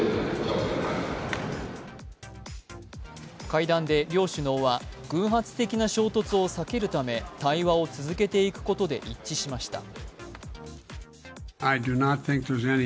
会談で両首脳は偶発的な衝突を避けるため対話を続けていくことで一致しました。